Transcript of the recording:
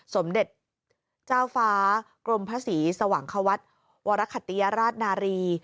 สมเด็จเจ้าฟ้ากรมพระศรีสวังควัฒน์วรคติยราชนารี